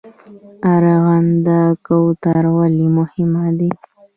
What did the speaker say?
ارغنده کوتل ولې مهم دی؟